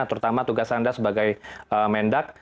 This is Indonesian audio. terutama tugas anda sebagai mendak